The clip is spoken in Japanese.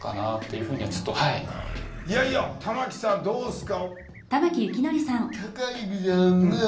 いやいや玉木さんどうですか？